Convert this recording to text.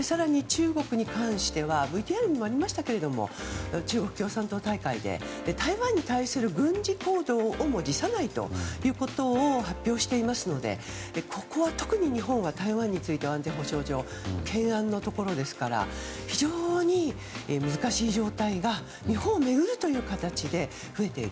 更に、中国に関してはＶＴＲにもありましたけど中国共産党大会で台湾に対する軍事行動をも辞さないということを発表していますのでここは特に、日本は台湾については安全保障上懸案のところですから非常に難しい状態が日本もあるという形で増えている。